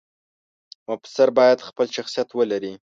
مفسر باید خپل شخصیت ولري.